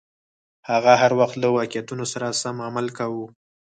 هغه هر وخت له واقعیتونو سره سم عمل کاوه.